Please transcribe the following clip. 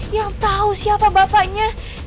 yang tau siapa bapaknya